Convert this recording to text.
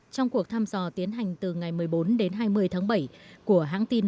trong cuộc thăm dò tiến hành từ ngày một mươi bốn đến hai mươi tháng bảy của hãng tin